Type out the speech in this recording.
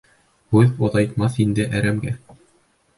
Һүҙ оҙайтмаҫ ине әрәмгә.